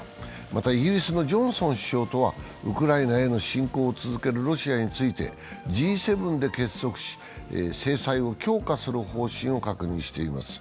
またイギリスのジョンソン首相とはウクライナへの侵攻を続けるロシアについてＧ７で結束し、制裁を強化する方針を確認しています。